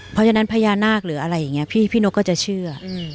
เพราะฉะนั้นพญานาคหรืออะไรอย่างนี้พี่นกก็จะเชื่อ